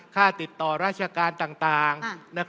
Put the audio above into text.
ค่าติดต่อราชการต่าง